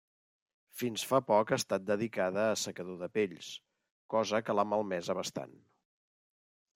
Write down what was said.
Fins fa poc ha estat dedicada a assecador de pells, cosa que l'ha malmesa bastant.